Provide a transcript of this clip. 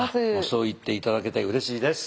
そう言って頂けてうれしいです。